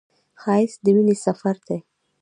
ښایست د مینې سفر دی